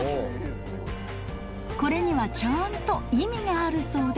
これにはちゃんと意味があるそうで。